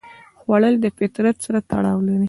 خوړل د فطرت سره تړاو لري